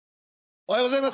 おはようございます。